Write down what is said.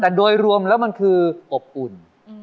แต่โดยรวมแล้วมันคืออบอุ่น